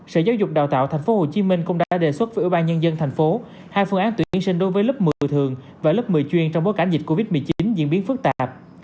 sở giáo dục đào tạo tp hcm cũng đã đề xuất với ủy ban nhân dân tp hai phương án tuyển sinh đối với lớp một mươi thường và lớp một mươi chuyên trong bối cảnh dịch covid một mươi chín diễn biến phức tạp